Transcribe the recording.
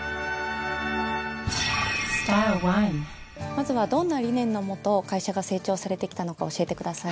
まずはどんな理念の下会社が成長されてきたのか教えてください。